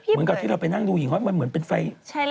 เหมือนกับที่เราไปนั่งดูหญิงมันเหมือนเป็นไฟ